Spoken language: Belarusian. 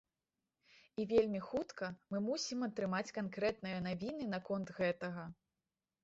І вельмі хутка мы мусім атрымаць канкрэтныя навіны наконт гэтага.